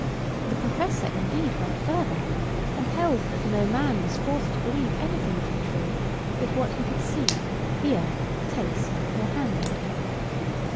The professor, indeed, went further, and held that no man was forced to believe anything to be true, but what he could see, hear, taste, or handle.